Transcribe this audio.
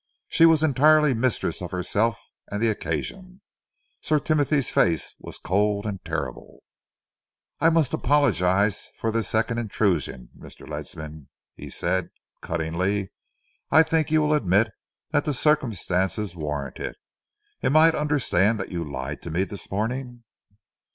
She was entirely mistress of herself and the occasion. Sir Timothy's face was cold and terrible. "I must apologise for this second intrusion, Mr. Ledsam," he said cuttingly. "I think you will admit that the circumstances warrant it. Am I to understand that you lied to me this morning?"